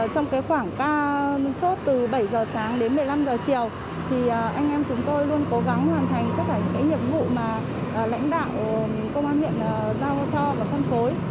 trong thời gian đến một mươi năm h chiều anh em chúng tôi luôn cố gắng hoàn thành các nhiệm vụ mà lãnh đạo công an huyện giao cho và phân phối